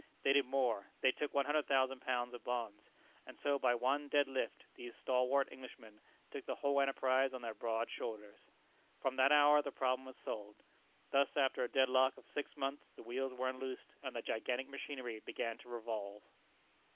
They did more, they took £100,000 of bonds; and so by one dead lift these stalwart Englishmen took the whole enterprise on their broad shoulders. From that hour the problem was solved. Thus after a dead lock of six months the wheels were unloosed, and the gigantic machinery began to revolve.